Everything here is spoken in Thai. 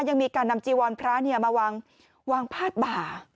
ยังมีการนำจีวรพระเนี่ยมาวางวางพาดบ่า